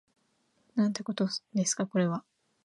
なんてことですかこれは